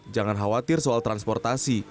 jangan khawatir soal transportasi